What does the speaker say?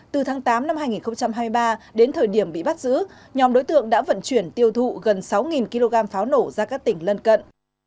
từ tháng tám năm hai nghìn hai mươi ba đến thời điểm bị bắt giữ nhóm đối tượng đã vận chuyển tiêu thụ gần sáu kg pháo nổ ra các tỉnh lân cận